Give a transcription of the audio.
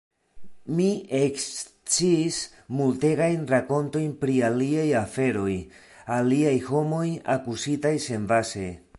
Mi eksciis multegajn rakontojn pri aliaj aferoj, aliaj homoj, akuzitaj senbaze.